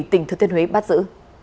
tỉnh thứ thiên huế bắt giữ